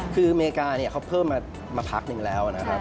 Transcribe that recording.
คืออเมริกาเนี่ยเขาเพิ่มมาพักหนึ่งแล้วนะครับ